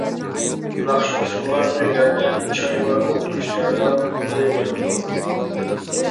ناخشا-ئۇسۇللار ئۆيلەردە، چاي ۋە ئولتۇرۇشلاردا ئوينىلىدۇ.